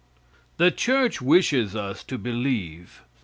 The church wishes us to believe.